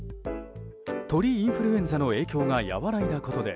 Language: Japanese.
鳥インフルエンザの影響が和らいだことで